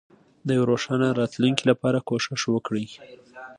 د یوې روښانه راتلونکې لپاره کوښښ وکړئ.